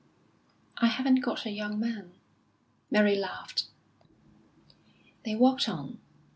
"I haven't got a young man." Mary laughed. They walked on.